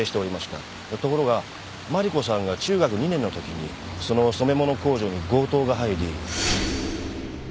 ところが麻里子さんが中学２年のときにその染め物工場に強盗が入り。